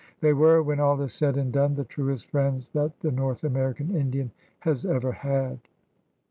They were, when all is said and done, the truest friends that the North American Indian has ever had.